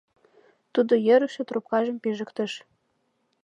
Тудо йӧрышӧ трубкажым пижыктыш.